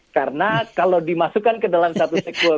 karena kalau dimasukkan ke dalam satu sekuel